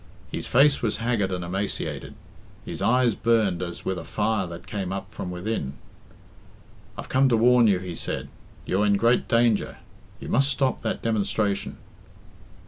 His face was haggard and emaciated; his eyes burned as with a fire that came up from within. "I've come to warn you," he said; "you are in great danger. You must stop that demonstration."